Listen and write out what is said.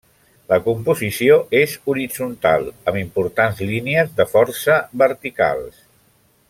La composició és horitzontal amb importants línies de força verticals.